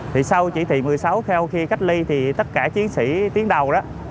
thì sau chỉ thị một mươi sáu theo khi cách ly thì tất cả chiến sĩ tiến đầu đó